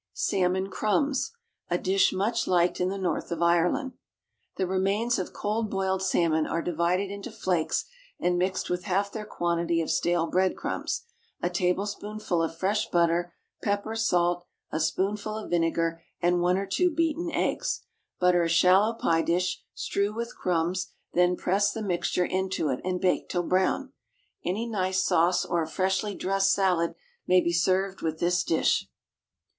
=Salmon Crumbs.= A dish much liked in the North of Ireland. The remains of cold boiled salmon are divided into flakes and mixed with half their quantity of stale breadcrumbs, a tablespoonful of fresh butter, pepper, salt, a spoonful of vinegar, and one or two beaten eggs. Butter a shallow pie dish, strew with crumbs, then press the mixture into it, and bake till brown. Any nice sauce, or a freshly dressed salad, may be served with this dish.